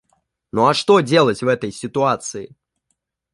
Ну а что делать в этой ситуации?